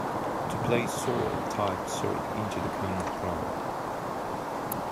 To play Zork, type "zork" into the command prompt.